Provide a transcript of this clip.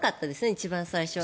一番最初は。